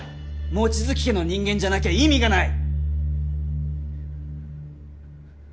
望月家の人間じゃなきゃ意味がない。